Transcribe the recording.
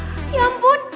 hah ya ampun